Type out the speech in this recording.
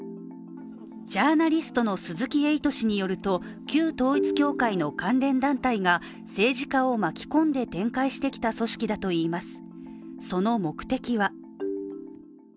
ジャーナリストの鈴木エイト氏によると旧統一教会の関連団体が政治家を巻き込んで展開してきた組織だといいます